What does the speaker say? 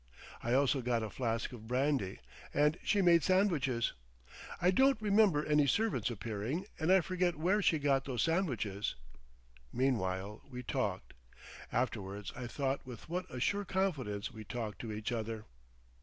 I also got a flask of brandy, and she made sandwiches. I don't remember any servants appearing, and I forget where she got those sandwiches. Meanwhile we talked. Afterwards I thought with what a sure confidence we talked to each other.